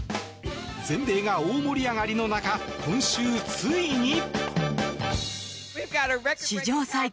全米が大盛り上がりの中今週、ついに。